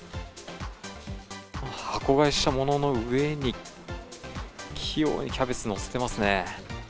箱買いしたものの上に、器用にキャベツ載せてますね。